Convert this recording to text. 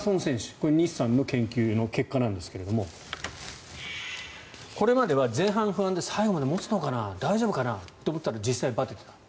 これは西さんの研究の結果ですがこれまでは前半、不安で最後まで持つのかな大丈夫かなと思っていたら実際にバテていた。